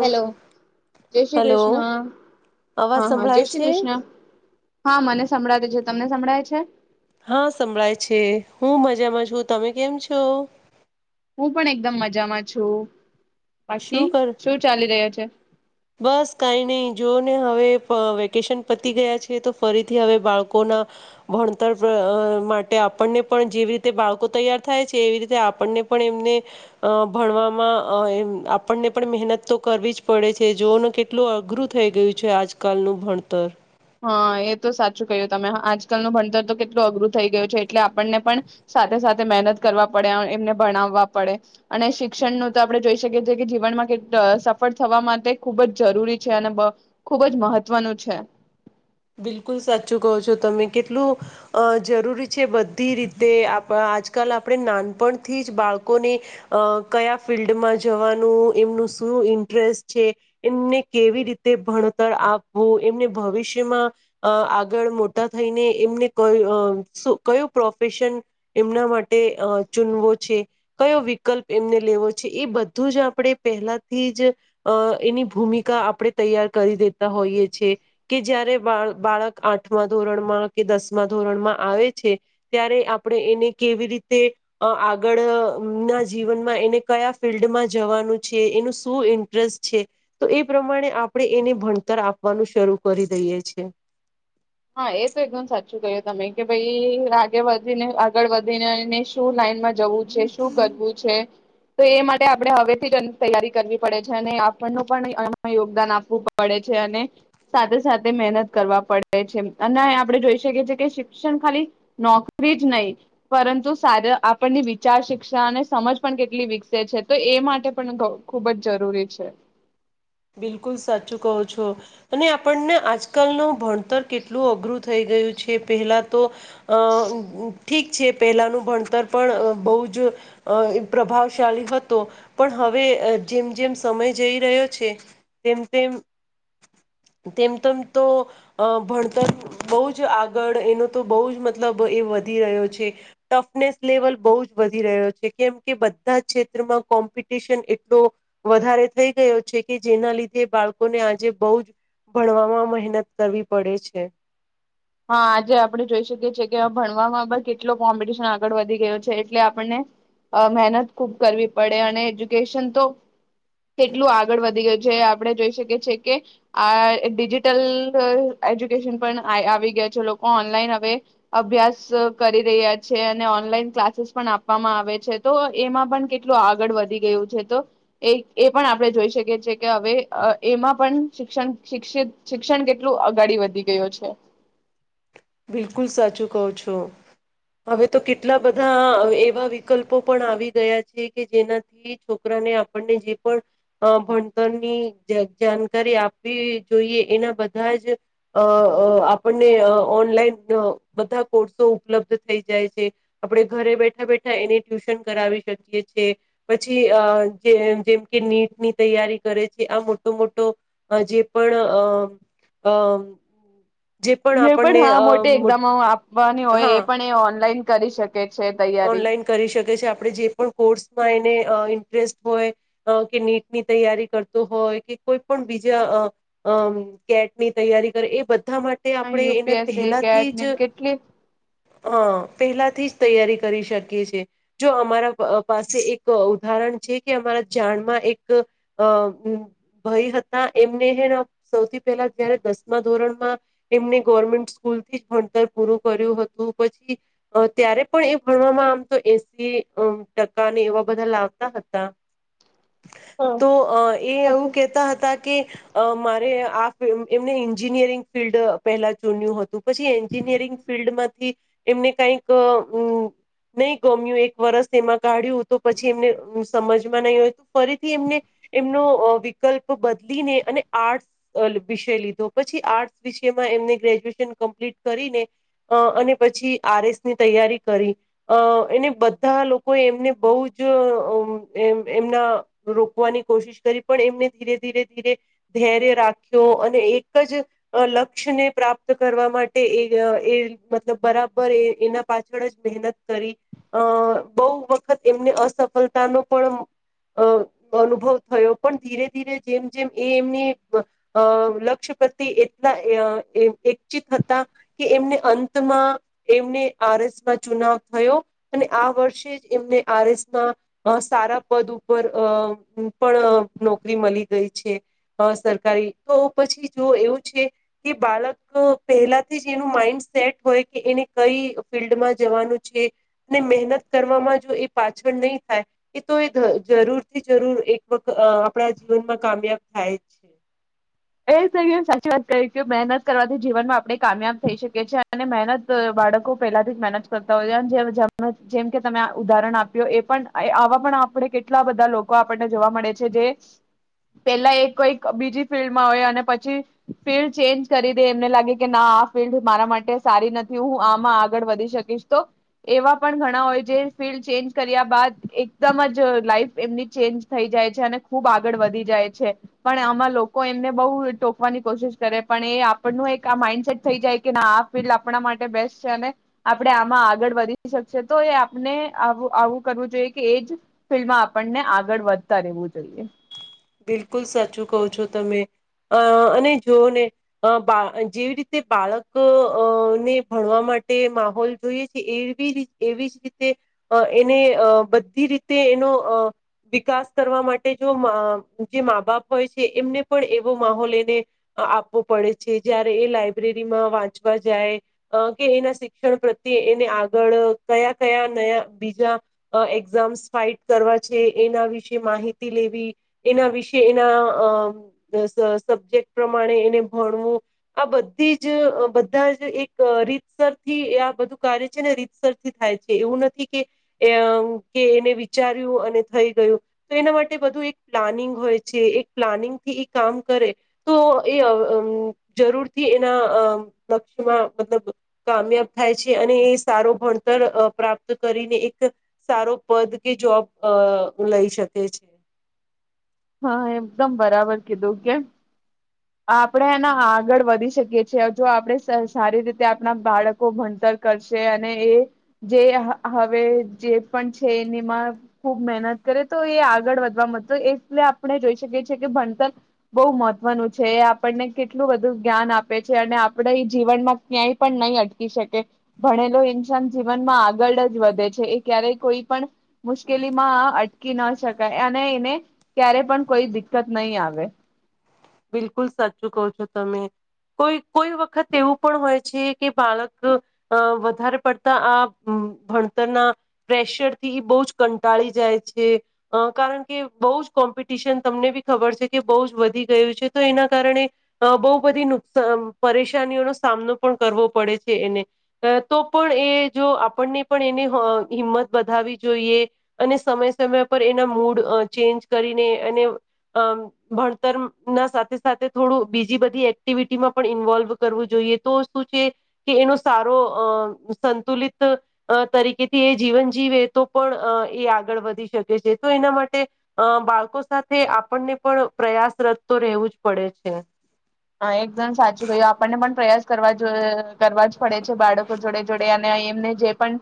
Hello જય શ્રી કૃષ્ણ અવાજ હા હા જય સંભળાય શ્રી છે કૃષ્ણ હા મને સંભળાવ દે છે તમને સંભળાય છે હા સમભળાય છે હું મજામાં છું તમે કેમ છો હું પણ એકદમ મજામાં છું બાકી શું કર શું ચાલી રહ્યા છે બસ કઈ નહી જો ને હવે વેકેશન પતી ગયા છે તો ફરીથી હવે બાળકોના ભણતર માટે આપણને પણ જેવી રીતે બાળકો તૈયાર થાય છે એવી રીતે આપણને પણ એમને અ ભણવામાં આપણને પણ મહેનત તો કરવી જ પડે છે. જોઓનું કેટલું અઘરું થઈ ગયું છે આજકાલનું ભણતર હા એ તો સાચું કહ્યું તમે આજકાલનું ભણતર તો કેટલું અઘરું થઈ ગયું છે એટલે આપણને પણ સાથે સાથે મહેનત કરવા પડે એમને ભણાવવા પડે અને શિક્ષણનું તો આપણે જોઈ શકીએ છીએ કે જીવનમાં કે સફળ થવા માટે ખૂબ જ જરૂરી છે અને ખૂબ જ મહત્વનું છે. બિલકુલ સાચું કહો છો તમે કેટલું અ જરૂરી છે બધી રીતે આજકાલ આપણે નાનપણથી જ બાળકોને અ કયા ફિલ્િલ્ડમાં જવાનું એમનું શું ઇન્ટરેસ્ટ છે એમને કેવી રીતે ભણતર આપવું એમને ભવિષ્ય આગળ મોટા થઈને એમને ક કયું પ્રોફેશન એમના માટે ચૂનવો છે કયો વિકલ્પ એમને લેવો છે એ બધું જ આપણે પહેલાથી જ એની ભૂમિકા આપણે તૈયાર કરી દેતા હોઈએ છ છે કે જયારે બા બાળક આઠમા ધોરણમાં કે દસમા ધોરણમાં આવે છે ત્યારે આપણે એને કેવી રીતે આગળ ના જીવનમાં એને કયા ફિલ્ડમાં જવાનું છે, એનું શું ઇન્ટરેસ્ટ છે, તો એ પ્રમાણે આપણે એને ભણતર આપવાનું શરૂ કરી દઈએ છે. હા એ તો એકદમ સાચું કહ્યું તમે કે ભાઈ આગે વધીને આગળ વધીને શું લાઈનમાં જવું જે શું કરવું છે. તો એ માટે આપણે હવેથી જ તૈયારી કરવી પડે છે અને આપણનું પણ યોગદાન આપવું પડે છે અને સાથે સાથે મહેનત કરવા પડે અને આપણે જોઈ શકીએ છએ કે શિક્ષણ ખાલી નોકરી જ નહી પરંતુ આપણની વિચાર શિક્ષણ અને સમજ પણ કેટલી વિકસે છે તો એ માટે પણ ખૂબ જ જરૂરી છે. બિલકુલ સાચું કહો છો અને આપણને આજકાલનું ભણતર કેટલું અઘરું થઈ ગયું છે પહેલાં તો અ ઠીક છે પહેલાંનું ભણતર પણ બહુ જ પ્રભાવશાળી હતો પણ હવે જેમ જેમ સમય જઈ રહ્યો છે. તેમ તેમ તેમ તેમ તો ભણતર બહુ જ આગળ એનો તો બહુ જ મતલબ એ વધી રહ્યો છે ટફનેસ લેવલ બહુ જ વધી રહ્યો છે કેમ કે બધા ક્ષેત્રમાં કોમ્પિટિશન એટલો વધારે થઈ ગયો છે. કે જેના લીધે બાળકોને આજે બહુ જ ભણવામાં મહેનત કરવી પડે છે. હા આજે આપણે જોઈ શકીએ છીએ કે ભણવામાં પણ કેટલો કોમ્પિટિશન આગળ વધી ગયો છે એટલે આપને મહેનત ખુબ કરવી પડે અને એજ્યુકેશન તો કેટલું આગળ વધી ગયું છે આપણે જોઈ શકીએ છએ કે આ ડિજિટલ એજ્યુકેશન પણ આવી લોકો ઓનલાઈન હવે અભ્યાસ કરી રહ્યા છે અને ઓનલાઈન ક્લાસીસ પણ આપવામાં આવે છે તો એમાં પણ કેટલું આગળ વધી ગયું છે તો એ એ પણ આપણે જોઈ શકીએ છ કે હવે એમાં પણ શિક્ષણ શિક્ષ શિક્ષણ કેટલું અગડી વધી ગયું છે. બિલકુલ સાચું કવ છો હવે તો કેટલા બધા એવા વિકલ્પો પણ આવી ગયા છે કે જેનાથી છોકરાને આપણને જે પણ ભણતરની જાણકારી આપવી જોઈએ એના બધા જ આપણને ઓનલાઈન બધા કોર્સો ઉપલબ્ધ થઈ જાય છે આપણે ઘરે બેઠા બેઠા એને ટ્યુશન કરાવી શકીએ છીએ પછી જે જેમ કે નીટની તૈયારી કરે છે આ મોટો મોટો જે પણ અ અ જે પણ એ આપ પણ હા મોટી એક્ઝામો આપવાની હોય હા એ પણ એ ઓનલાઈન કરી શકાય ઓનલાઈન કરી શકે છે આપણે જે પણ કોર્સમાં એને ઇન્ટરેસ્ટ હોય કે નીટ ની તૈયારી કરતો હોય કે કોઈ પણ બીજા કેટની તૈયારી કરે એ બધ હ યુપીએસએ કે એડમિટ કેટલી હા પેલા થી જ તૈયારી કરી શકી છે જો અમારા પાસે એક ઉદાહરણ છે કે અમારા જાણમાં એક અ ભાઈ હતા એમને સૌથી પહેલા જયારે દસમા ધોરણમાં એમને ગવર્મેન્ટ સ્કૂલથી જ ભણતર પૂરું કર્યું હતું પછી ત્યારે પણ એ ભણવામાં આમ તો એસી ટકા ને એવા બધા લાવતા હતા તો અ એ એવું કેહેતા હતા કે અ મારે આ એમને એન્જિનિયરિંગ ફિલ્ડ પહેલા ચૂન્યું હતું પછી એન્જિનિયરિંગ ફિલ્ડ માંથી એમને કઈક નહી ગમ્યું એક વરસ એમાં કાઢ્યું તો પછી એમને સમજ નહી હોય તો ફરીથી એમને એમનો વિકલ્પ બદલીને અને આર્ટસ વિષ લીધો પછી આર્ટસ વિષમાં એમને ગ્રેજ્યુએશન કમ્પ્લીટ કરીને અને પછી આર એસની તૈયારી કરી અ એને બધા લોકોએ એમને બહુ જ એમના રોકવાની કોશિશ કરી પણ એમને ધીરે ધીરે ધીરે ધૈર્ય રાખ્યો અને એક જ લક્ષ્યને પ્રાપ્ત કરવા માટે એ એ મતલબ બરાબર એ એના પાછળ જ મહેનત કરી અ બહુ વખત એમને અસફળતાનો પણ અ અનુભવ થયો પણ ધીરે ધીરે જેમ જેમ એ એમની લક્ષ્ય પ્રત્યે એટલા ચિત હતા કે એમને અંતમાં એમને આર એસમાં ચુનાવ થયો અને આ વર્ષે જ એમને આર એસ ના સારા પદ ઉપર પણ નોકરી મળી ગઈ છે સરકારી તો પછી જો એવું છે કે બાળક પહેલાથી જ એનું માઈન્ડ સેટ હોય કે એને કઈ ફિલ્ડમાં જવાનું અને મહેનત કરવામાં જો એ પાછળ નહીં થાય એ તો એ જરૂરથી જરૂર એક વખત આપણા જીવનમાં કામયાબ થાય જ છે. સાચી વાત મહેનત કરવાથી જીવનમાં આપણે કામયાબ થઈ શકીી અને મહેનત બાળકો પહેલાથી મહેનત કરતા હોય છે જે જેમ કે તમે ઉદાહરણ આપ્યું એ પણ આવા પણ આપણે કેટલા બધા લોકો આપણને જોવા મળે છે જે પેલા એક કોઈક બીજી ફિલ્ડ પછી ફિલ્ડ ચેન્જ કરી દે એમને લાગે કે ના આ ફિલ્ડ મારા માટે સારી નથી હું આમાં આગળ વધી શકીશ તો એવા પણ ઘણા હોય જે ફિલ્ડ ચેન્જ કર્યા બાદ એકદમ જ લાઈફ એમની ચેન્જ થઈ જાય છે અને ખુબ આગળ વધી જાય છે પણ આમાં લોકો કોઈ એમને બહુ ટોકવાની કોશિશ કરે પણ એ આપણનું એક આ માઇન્ડસેટ થઈ જાય કે ના આ ફિલ્ડ આપણા માટે બેસ્ટ છે અને આપણે આમાં આગળ વધી શકશે તો એ આપને આવું કરવું જોઈએ કે એ જ ફિલ્ડમાં આપણને આગળ વધતા રહેવું જોઈએ બિલકુલ સાચું કહું છો તમે અ અને જો ને બા જેવી રીતે બાળકને ભણવા માટે માહોલ જોઈએ છે એવી રી એવી જ રીતે એને અ બધી રીતે એનો વિકાસ કરવા માટે જો જે મા બાપ હોય છે એમને પણ એવો માહોલ એને આપવો પડે છે જયારે એ લાયબ્રેરીમાં વાંચવા જાય કે એના શિક્ષણ પ્રત્યે એને આગળ કયા કયા નયા બીજા એક્ઝામ્સ ફાઇટ કરવા છે એના વિશે માહિતી લેવી એના વિશે એના સબ્જેક્ટ પ્રમાણે એને ભણવું આ બધી જ બધા જ એક રીતસરથી આ બધું કાર્ય છે ને રીતસરથી થાય છે એવું નથી કે કે એને વિચાર્યું અને થઈ ગયું તો એના માટે બધું એક પ્લાનિંગ હોય છે એક પ્લાનિંગ થી એ કામ કરે તો એ જરૂર થી એના લક્ષ્યમાં મતલબ કામયાબ થાય છે અને એ સારો ભણતર પ્રાપ્ત કરીને એક સારો પદ કે જોબ લઈ શકે છે હા એકદમ બરાબર કીધું કેમ આપણે એના આગળ વધી શકીએ છીએ જો આપણે સારી રીતે આપણા બાળકો ભણતર કરશે અને એ જે હવે જે પણ છે એનીમાં ખૂબ મહેનત કરે તો એ આગળ વધવા મતો એટલે આપણે જોઈ શકીએ છીએ કે ભણતર બહુ મહત્વનું છે છે એ આપણને કેટલું બધું જ્ઞાન આપે છે અને આપણે એ જીવનમાં ક્યાંય પણ નહીં અટકી શકે ભણેલો ઇન્સાન જીવનમાં આગળ જ વધે છે એ ક્યારેય કોઈ પણ મુશ્કેલીમાં અટકી ન શકાય અને એને ક્યારે પણ કોઈ દિકકત નહી આવે બિલકુલ સાચું કહો છો તમે કોઈ કોઈ વખત એવું પણ હોય છે કે બાળક વધારે પડતા આ ભણતરના પ્રેશર થી એ બહુ જ કંટાળી જાય છે કારણ કે બહુ જ કોમ્પિટિશન તમને બી ખબર છે કે બહુ જ વધી ગું છે તો એના કારણે બહુ બધી નુકસાન પરેશાનીઓનો સામનો પણ કરવો પડે છે એને તો પણ એ જો આપણને પણ એને હિંમત બાવવી જોઈએ અને સમય સમય પર એના મૂડ ચેન્જ કરીને અને ભણતર ના સાથે સાથે થોડું બીજી બધી એક્ટિવિટીમાં પણ ઇન્વોલ્વ કરવું જોઈએ તો શું છે કે એનો સારો અ સંતુલિત તરીકેથી એ જીવન જીવે તો પણ એ આગળ વધી શકે છે તો એના માટે બાળકો સાથે આપણને પણ પ્રયાસરત તો રહેવું જ પડે છે હા એકદમ સાચું કહ્યું આપણને પણ પ્રયાસ કરવા જો કરવા જ પડે છે બાળકો જોડે જોડે અને એમને જે પણ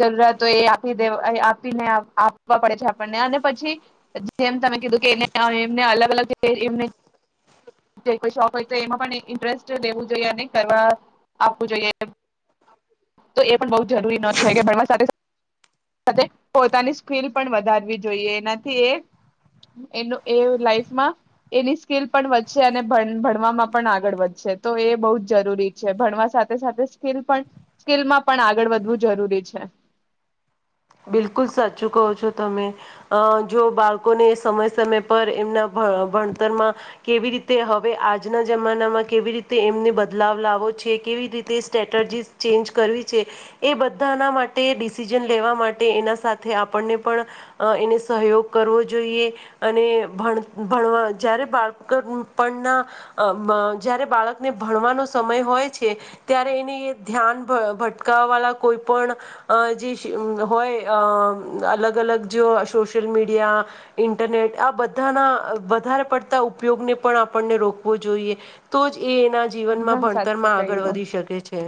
જરૂરત હોય એ આપી દે આપીને આપવા પડે છે આપણને અને પછી જેમ તમે કીધું કે એ એમને અલગ અલગ એ હો એમાં પણ ઇન્ટરેસ્ટ લેવું જોઈએ અને કરવા આપવું જોઈએ તો એ પણ બ જરૂરી ન છે કે ભણવા પોતાની સ્કલ પણ વધારવી જોઈએ એનાથી લફમાં એની સ્કલ પણ અને ભણવામાં પણ આગળ વધશે તો એ બહુ જ જરૂરી છે ભણવા સાથે સાથે સ્કલ પણ સ્કિલમાં પણ આગળ વધવું જરૂરી છે બિલકુલ સાચું કહો છો તમે જો બાળકોને સમય સમય પર એમના ભ ભણતરમાં કેવી રીતે હવે આજના જમાનામાં કેવી રીતે એમને બદલાવ લાવો છે કેવી રીતે સ્ટ્રેટર્જીસ ચેન્જ કરવી છે એ બધાના માટે ડિસિઝન લેવા માટે એના સાથે આપણને પણ એને સહયોગ કરવો જોઈએ અને ભણવા જ્યારે બાળક પણના જ્યારે બાળકને ભણવાનો સમય હોય છે ત્યારે એને એ ધ્યાન ભટકાાવવા વાળા કોઈ પણ જે હોય અલગ અલગ જો સોશિયલ મીડિયા ઇન્ટરનેટ આ બધાના વધારે પડતા ઉપયોગને પણ આપણને રોકવો જોઈએ તો જ એ એના જીવનમાં એકદમ સાચું ભણતરમાં આગળ કહ્યું વધી શકે છે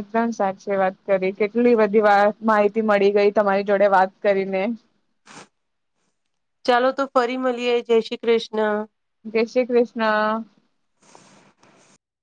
એકદમ સાચી વાત કરી કેટલી બધી વા માહિતી મળી ગઈ તમારી જોડે વાત કરીને ચાલો તો ફરી મળીએય જય શ્રી કૃષ્ણ જય શ્રી કૃષ્ણ